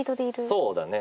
そうだね。